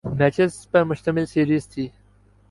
matches پہ مشتمل series تھی